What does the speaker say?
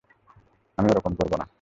আমি ওরকম করব না।